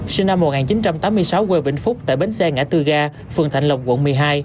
sinh năm một nghìn chín trăm tám mươi sáu quê vĩnh phúc tại bến xe ngã tư ga phường thạnh lộc quận một mươi hai